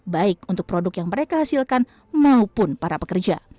baik untuk produk yang mereka hasilkan maupun para pekerja